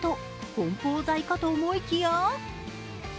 こん包材かと思いきや